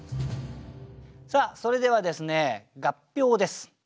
それではですね合評です。